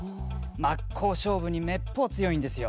真っ向勝負にめっぽう強いんですよ。